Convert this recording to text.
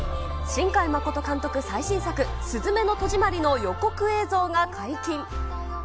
新海誠監督、最新作、すずめの戸締まりの予告映像が解禁。